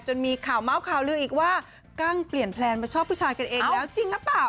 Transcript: มีข่าวเมาส์ข่าวลืออีกว่ากั้งเปลี่ยนแพลนมาชอบผู้ชายกันเองแล้วจริงหรือเปล่า